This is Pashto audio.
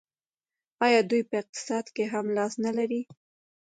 آیا دوی په اقتصاد کې هم لاس نلري؟